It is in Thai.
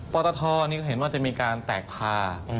ปอร์ตะทอนี่เห็นว่าจะมีการแตกพา